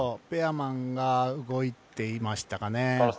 ペアマンが動いていましたかね。